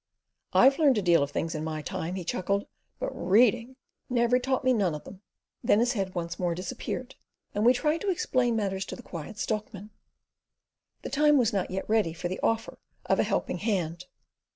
"I've learned a deal of things in my time," he chuckled, "but READING never taught me none of 'em." Then his head once more disappeared, and we tried to explain matters to the Quiet Stockman. The time was not yet ready for the offer of a helping hand.